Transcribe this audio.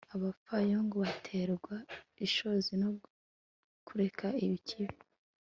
abapfayongo baterwa ishozi no kureka ikibi